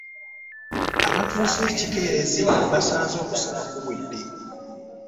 Abaatuuse ekikeerezi baasanze okusaba kuwedde.